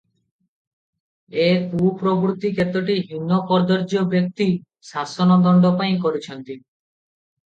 ଏ କୁପ୍ରବୃତ୍ତି କେତୋଟି ହୀନ କଦର୍ଯ୍ୟ ବ୍ୟକ୍ତି ଶାସନ ଦଣ୍ଡ ପାଇ କରିଚନ୍ତି ।